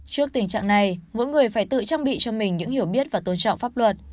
trước tình trạng này mỗi người phải tự trang bị cho mình những hiểu biết và tôn trọng pháp luật